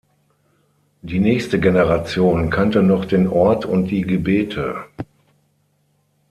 Die nächste Generation kannte noch den Ort und die Gebete.